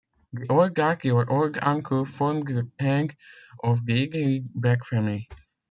The "old darky" or "old uncle" formed the head of the idyllic black family.